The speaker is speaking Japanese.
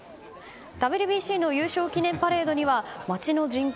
ＷＢＣの優勝記念パレードには町の人口